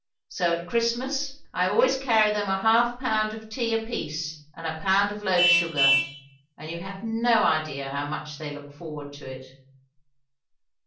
So at Christmas I always carry them a half pound of tea apiece and a pound of loaf sugar; and you have no idea how much they look forward to it."